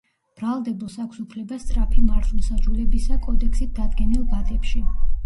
ბრალდებულს აქვს უფლება სწრაფი მართლმსაჯულებისა კოდექსით დადგენილ ვადებში.